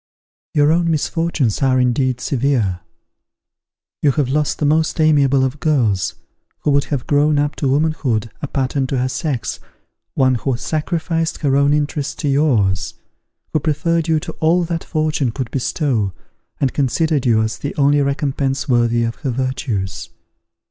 "Your own misfortunes are indeed severe. You have lost the most amiable of girls, who would have grown up to womanhood a pattern to her sex, one who sacrificed her own interests to yours: who preferred you to all that fortune could bestow, and considered you as the only recompense worthy of her virtues.